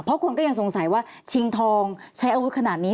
เพราะคนก็ยังสงสัยว่าชิงทองใช้อาวุธขนาดนี้